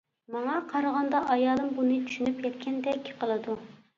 ماڭا قارىغاندا ئايالىم بۇنى چۈشىنىپ يەتكەندەك قىلىدۇ.